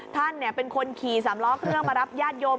ท่านเป็นคนขี่สามล้อเครื่องมารับญาติโยม